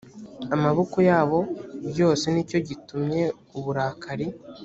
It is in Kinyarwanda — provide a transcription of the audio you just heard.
amaboko yabo byose ni cyo gitumye uburakari